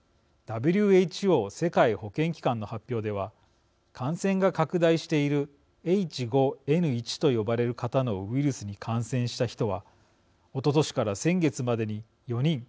ＷＨＯ＝世界保健機関の発表では感染が拡大しているＨ５Ｎ１と呼ばれる型のウイルスに感染した人はおととしから先月までに４人。